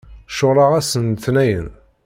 Ceɣleɣ ass n letniyen.